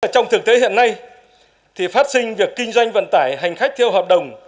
trong thực tế hiện nay phát sinh việc kinh doanh vận tải hành khách theo hợp đồng